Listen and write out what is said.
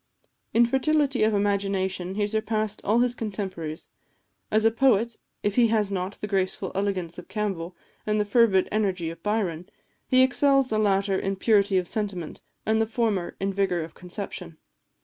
In fertility of imagination he surpassed all his contemporaries. As a poet, if he has not the graceful elegance of Campbell, and the fervid energy of Byron, he excels the latter in purity of sentiment, and the former in vigour of conception.